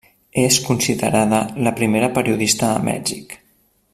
És considerada la primera periodista a Mèxic.